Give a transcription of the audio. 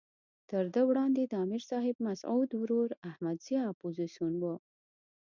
تر ده وړاندې د امر صاحب مسعود ورور احمد ضیاء اپوزیسون وو.